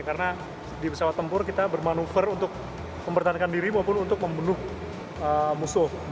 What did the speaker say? karena di pesawat tempur kita bermanuver untuk mempertahankan diri maupun untuk membunuh musuh